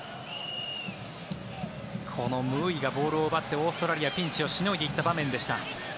このムーイがボールを奪ってオーストラリアピンチをしのいでいったシーンでした。